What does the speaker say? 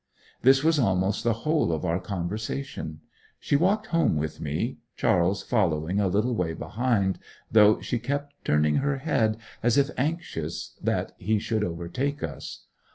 This was almost the whole of our conversation; she walked home with me, Charles following a little way behind, though she kept turning her head, as if anxious that he should overtake us.